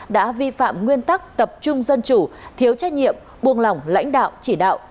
đã vi phạm nguyên tắc tập trung dân chủ thiếu trách nhiệm buông lỏng lãnh đạo chỉ đạo